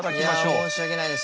いや申し訳ないです。